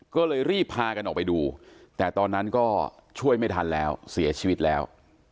ก็เลยรีบพากันออกไปดูแต่ตอนนั้นก็ช่วยไม่ทันแล้วเสียชีวิตแล้ว